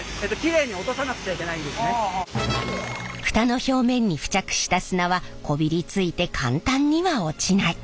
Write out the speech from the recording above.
蓋の表面に付着した砂はこびりついて簡単には落ちない。